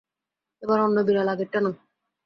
এবার অন্য বিড়াল, আগেরটা না।